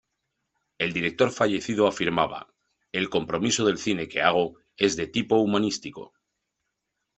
El director fallecido afirmaba: "El compromiso del cine que hago es de tipo humanístico.